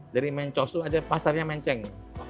dari mencos itu ada pasarnya menceng